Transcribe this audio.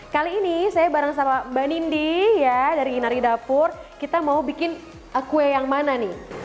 kali ini saya bareng sama mbak nindi ya dari inari dapur kita mau bikin kue yang mana nih